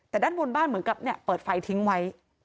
แต่ด้านบนบ้านเหมือนกับเปิดไฟทิ้งไว้